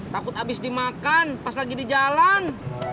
takut habis dimakan pas lagi di jalan